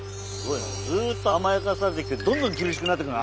ずーっと甘やかされてきてどんどん厳しくなってくな。